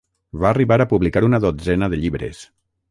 Va arribar a publicar una dotzena de llibres.